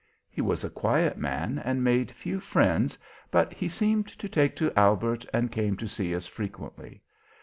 He was a quiet man and made few friends, but he seemed to take to Albert and came to see us frequently.